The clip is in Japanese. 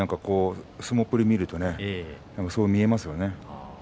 相撲っぷりを見ているとそう思いますね。